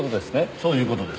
そういう事です。